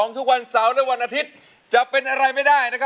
ทุกวันเสาร์และวันอาทิตย์จะเป็นอะไรไม่ได้